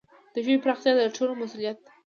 د ژبي پراختیا د ټولو مسؤلیت دی.